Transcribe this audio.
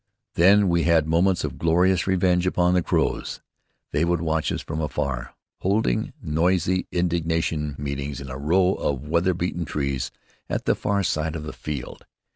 Then we had moments of glorious revenge upon the crows. They would watch us from afar, holding noisy indignation meetings in a row of weather beaten trees at the far side of the field.